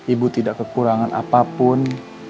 ibu tidak kekurangan apapun